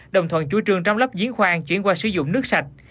đồng thuận chuỗi trường trám lấp diến khoan chuyển qua sử dụng nước sạch